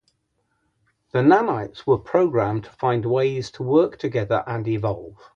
The nanites were programmed to find ways to work together and evolve.